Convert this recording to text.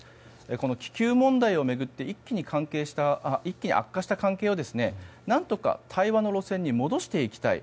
この気球問題を巡って一気に悪化した関係を何とか対話の路線に戻していきたい。